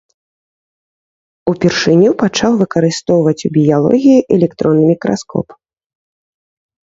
Упершыню пачаў выкарыстоўваць у біялогіі электронны мікраскоп.